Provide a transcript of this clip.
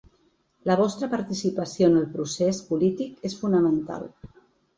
La vostra participació en el procés polític és fonamental.